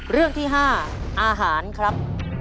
เรื่องที่๕อาหารครับ